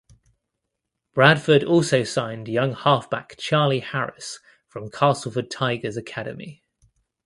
Bradford also signed young halfback Charlie Harris from Castleford Tigers academy.